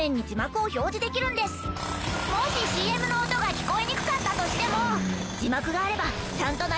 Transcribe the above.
もしＣＭの音が聞こえにくかったとしても。